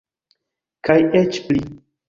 Kaj eĉ pli!